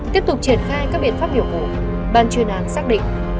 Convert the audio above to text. tiếp tục triển khai các biện pháp nghiệp vụ ban chuyên án xác định